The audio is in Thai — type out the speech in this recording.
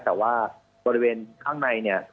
แต่ว่าบริเวณข้างในเนี่ย